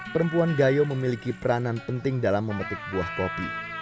perempuan gayo memiliki peranan penting dalam memetik buah kopi